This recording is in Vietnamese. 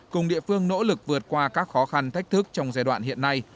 cùng địa phương nỗ lực vượt qua các khó khăn thách thức trong giai đoạn hiện nay